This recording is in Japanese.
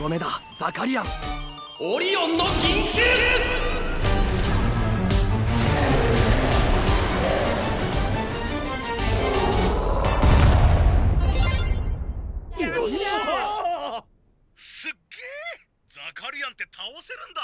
ザカリアンってたおせるんだ！